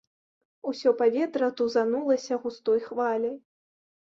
Усё паветра тузанулася густой хваляй.